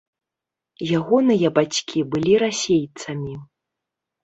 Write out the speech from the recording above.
Ягоныя бацькі былі расейцамі.